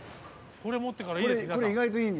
これ持ってからいいです皆さん。